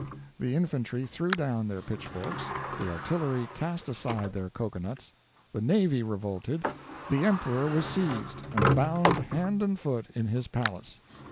The infantry threw down their pitchforks; the artillery cast aside their cocoa nuts; the navy revolted; the emperor was seized, and bound hand and foot in his palace.